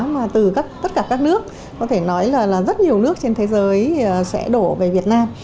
mà từ tất cả các nước có thể nói là rất nhiều nước trên thế giới sẽ đổ về việt nam